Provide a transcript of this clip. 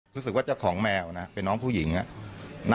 รู้สึกว่าเจ้าของแมวนะเป็นน้องผู้หญิงน่ะ